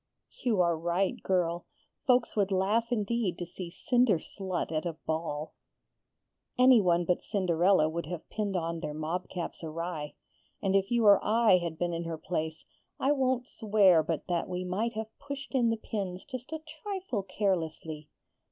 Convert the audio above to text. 'You are right, girl. Folks would laugh indeed to see Cinder slut at a ball!' Any one but Cinderella would have pinned on their mob caps awry; and if you or I had been in her place, I won't swear but that we might have pushed in the pins just a trifle carelessly.